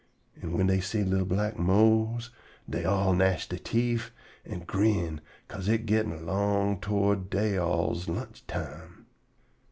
An' whin dey see li'l black Mose, dey all gnash dey teef an' grin 'ca'se it gettin' erlong toward dey all's lunchtime.